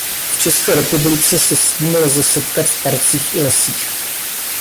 V České republice se s ním lze setkat v parcích i lesích.